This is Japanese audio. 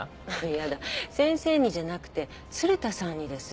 やだ先生にじゃなくて鶴田さんにです。